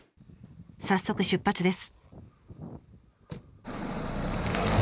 早速出発です。